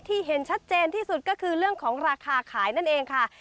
เห็นชัดเจนที่สุดก็คือเรื่องของราคาขายนั่นเองค่ะ